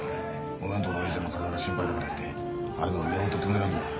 お前んとこのおじいちゃんの体が心配だからってあれでも見守ってるつもりなんだよ。